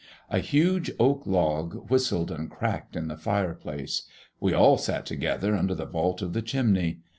A huge oak log whistled and crackled in the fireplace. We all sat together under the vault of the chimney.